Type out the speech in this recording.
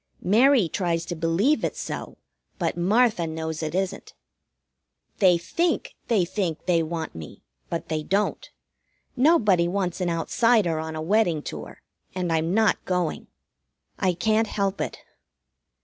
Mary tries to believe it's so, but Martha knows it isn't. They think they think they want me, but they don't; nobody wants an outsider on a wedding tour, and I'm not going. I can't help it.